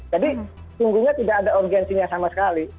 jadi sungguhnya tidak ada urgensinya sama sekali